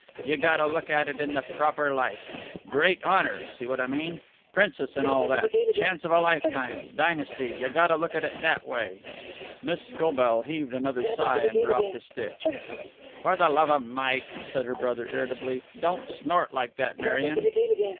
You gotta look at it in the proper spirit. Great honor see what I mean? Princess and all that. Chance of a lifetime dynasty you gotta look at it that way." Miss Scobell heaved another sigh, and dropped a stitch. "For the love of Mike," said her brother, irritably, "don't snort like that, Marion."